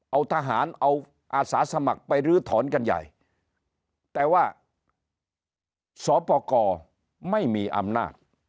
เอาทหารเอาอาสาสมัครไปรื้อถอนกันใหญ่แต่ว่าสปกรไม่มีอำนาจ